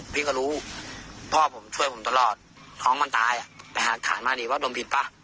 พี่ก็รู้พ่อผมช่วยผมตลอดท้องมันตายไปหาฐานมาดีว่าดมผิดป่ะ